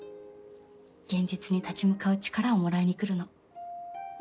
現実に立ち向かう力をもらいに来るの。